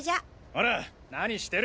ほら何してる？